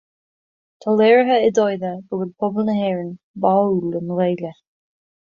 Tá léirithe i dtaighde go bhfuil pobal na hÉireann báúil don Ghaeilge